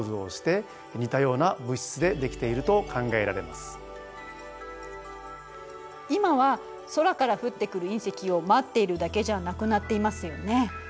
ですから今は空から降ってくるいん石を待っているだけじゃなくなっていますよね。